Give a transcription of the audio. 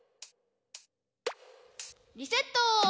リセット！